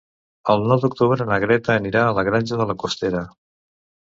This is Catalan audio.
El nou d'octubre na Greta anirà a la Granja de la Costera.